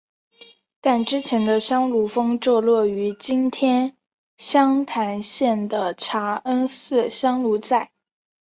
但之前的香炉峰坐落于今天湘潭县的茶恩寺香炉寨。